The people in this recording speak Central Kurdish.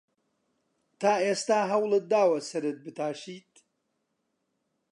تا ئێستا هەوڵت داوە سەرت بتاشیت؟